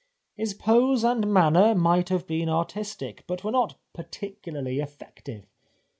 His pose and manner might have been artistic, but were not particularly effective.